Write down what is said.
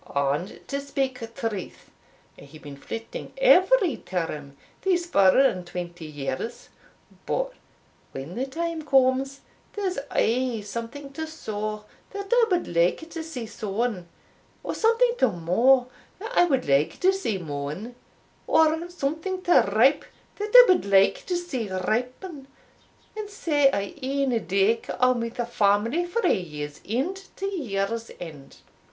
And, to speak truth, I hae been flitting every term these four and twenty years; but when the time comes, there's aye something to saw that I would like to see sawn, or something to maw that I would like to see mawn, or something to ripe that I would like to see ripen, and sae I e'en daiker on wi' the family frae year's end to year's end.